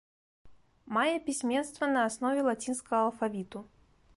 Мае пісьменства на аснове лацінскага алфавіту.